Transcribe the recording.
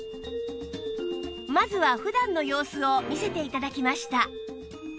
まずは普段の様子を見せて頂きました